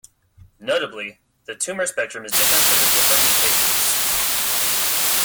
Notably, the tumor spectrum is different for the different mutations.